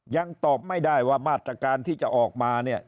ยังตอบไม่ได้ว่ามาตรการที่จะออกมาเนี่ย